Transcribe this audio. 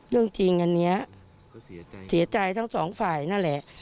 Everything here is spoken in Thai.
เรื่องจริงอันนี้ก็เสียใจเสียใจทั้งสองฝ่ายนั่นแหละ